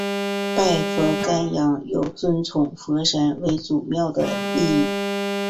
拜佛钳羊有尊崇佛山为祖庙的意义。